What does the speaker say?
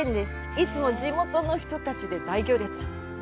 いつも地元の人たちで大行列。